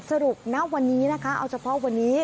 ณวันนี้นะคะเอาเฉพาะวันนี้